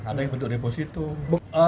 ada yang berbentuk depositum